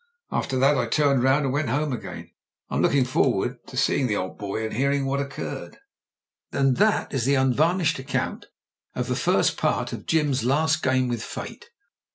After that I turned round and went home again. I'm looking forward to seeing the old boy and hearing what occurred." And that is the unvarnished account of the first part of Jim's last game with fate.